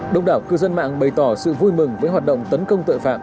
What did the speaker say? đông đảo cư dân mạng bày tỏ sự vui mừng với hoạt động tấn công tội phạm